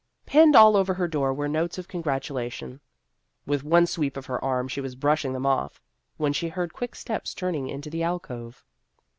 Pinned all over her door were notes of congratulation. With one sweep of her arm she was brushing them off, when she heard quick steps turning into the alcove.